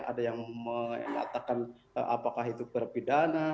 ada yang mengatakan apakah itu berpidana